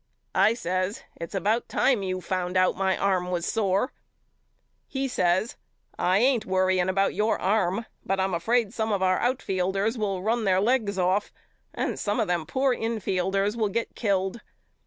I says It's about time you found out my arm was sore. He says I ain't worrying about your arm but I'm afraid some of our outfielders will run their legs off and some of them poor in fielders will get killed.